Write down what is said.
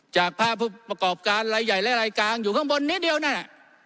จากภาพผู้ประกอบการรายใหญ่และลายกลางอยู่ข้างบนนิดเดียวนั่นน่ะ